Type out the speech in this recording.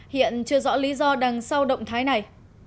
hiện chưa rõ lý do đằng sau động thái này